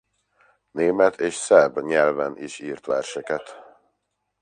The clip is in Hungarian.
Német és szerb nyelven is írt verseket.